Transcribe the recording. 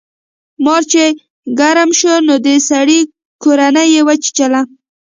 مار چې ګرم شو نو د سړي کورنۍ یې وچیچله.